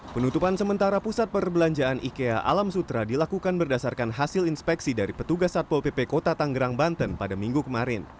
penutupan sementara pusat perbelanjaan ikea alam sutra dilakukan berdasarkan hasil inspeksi dari petugas satpol pp kota tanggerang banten pada minggu kemarin